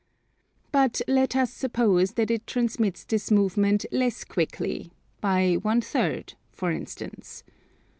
But let us suppose that it transmits this movement less quickly, by one third, for instance.